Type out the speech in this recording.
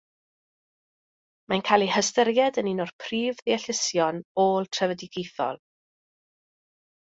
Mae'n cael ei hystyried yn un o'r prif ddeallusion ôl-trefedigaethol.